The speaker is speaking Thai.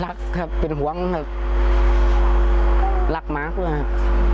รักครับเป็นห่วงครับรักหมาด้วยครับ